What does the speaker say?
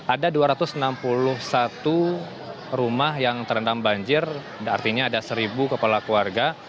ada dua ratus enam puluh satu rumah yang terendam banjir artinya ada seribu kepala keluarga